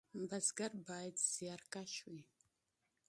بزګر باید زیارکښ وي